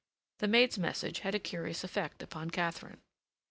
The maid's message had a curious effect upon Katharine.